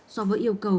so với yêu cầu